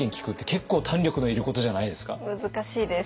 難しいです。